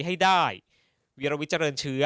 ให้ดู